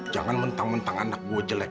jangan mentang mentang anak gue jelek